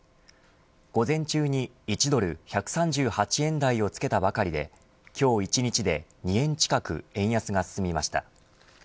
午前中に１ドル１３８円台をつけたばかりで今日１日で２円近く円安が進みました。